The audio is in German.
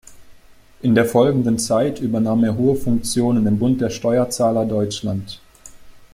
In der folgenden Zeit übernahm er hohe Funktionen im Bund der Steuerzahler Deutschland.